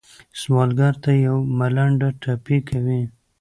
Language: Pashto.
سوالګر ته یو ملنډه ټپي کوي